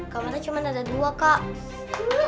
kamarnya cuma ada dua kak